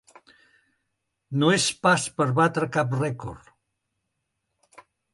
No és pas per batre cap rècord.